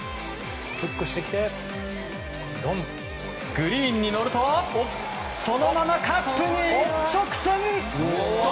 グリーンに乗るとそのままカップに一直線！